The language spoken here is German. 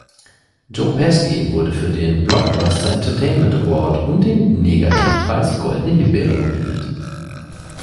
Joe Pesci wurde für den "Blockbuster Entertainment Award" und den Negativpreis Goldene Himbeere nominiert.